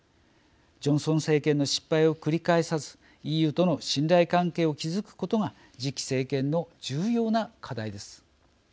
ジョンソン政権の失敗を繰り返さずＥＵとの信頼関係を築くことが次期政権の重要な課題です。